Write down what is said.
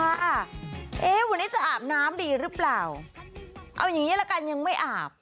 เอ๊ะวันนี้จะอาบน้ำดีหรือเปล่าเอาอย่างงี้ละกันยังไม่อาบ